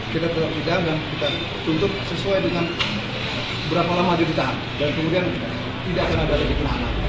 kita tidak bisa untuk sesuai dengan berapa lama juga dan kemudian tidak akan ada di